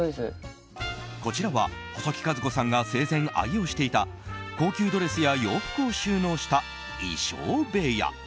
こちらは細木数子さんが生前愛用していた高級ドレスや洋服を収納した衣装部屋。